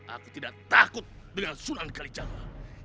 aku tidak takut dengan sunan kalijaga